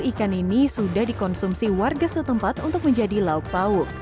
ikan ini sudah dikonsumsi warga setempat untuk menjadi lauk pauk